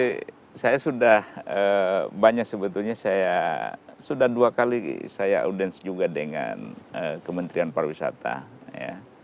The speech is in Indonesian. jadi saya sudah banyak sebetulnya saya sudah dua kali saya audiens juga dengan kementerian pariwisata ya